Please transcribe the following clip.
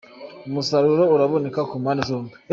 Umusaruro uraboneka kumpande zombi.